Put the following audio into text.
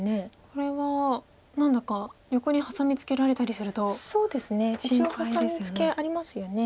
これは何だか横にハサミツケられたりすると心配ですよね。